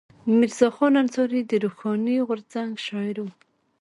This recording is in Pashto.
میرزا خان انصاري د روښاني غورځنګ شاعر و.